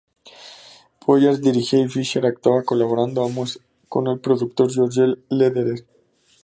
Pollard dirigía y Fischer actuaba, colaborando ambos con el productor George Lederer.